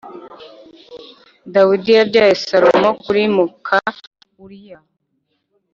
Dawidi yabyaye Salomo kuri muka Uriya,